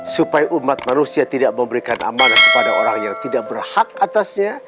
supaya umat manusia tidak memberikan amanah kepada orang yang tidak berhak atasnya